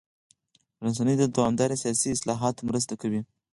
رسنۍ د دوامداره سیاسي اصلاحاتو مرسته کوي.